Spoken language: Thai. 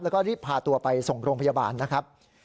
แล้วก็รีบพาตัวไปส่งโรงพยาบาลนะครับ